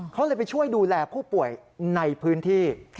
เขาเลยไปช่วยดูแลผู้ป่วยในพื้นที่